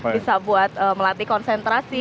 bisa buat melatih konsentrasi